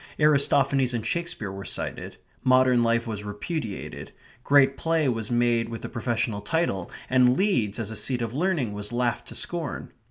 Aristophanes and Shakespeare were cited. Modern life was repudiated. Great play was made with the professional title, and Leeds as a seat of learning was laughed to scorn.